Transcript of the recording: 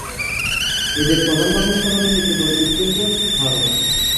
এদের প্রদান বাসস্থান হল নিকোবর দ্বীপপুঞ্জ, ভারত।